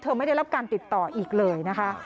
ไม่ได้รับการติดต่ออีกเลยนะคะ